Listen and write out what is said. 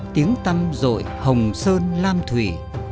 tiếng tăm rội hồng sơn lan thủy